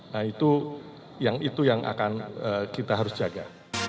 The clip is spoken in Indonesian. nah itu yang akan kita harus jaga